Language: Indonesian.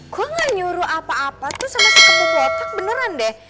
gue ga nyuruh apa apa tuh sama si kebobotak beneran deh